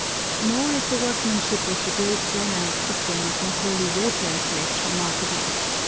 Nor is the workmanship of the great granite cistern for holy water less remarkable.